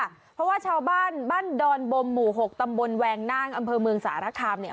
เพราะว่าชาวบ้านบ้านดอนบมหมู่๖ตำบลแวงนั่งอำเภอเมืองสารคามเนี่ย